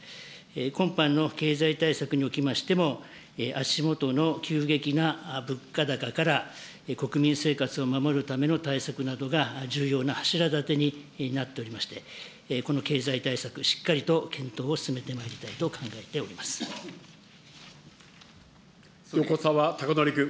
今般の経済対策におきましても、足元の急激な物価高から、国民生活を守るための対策などが重要な柱だてになっておりまして、この経済対策、しっかりと検討を進めてまいりたいと考えておりま横沢高徳君。